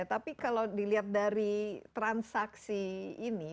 tapi kalau dilihat dari transaksi ini